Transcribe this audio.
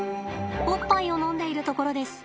おっぱいを飲んでいるところです。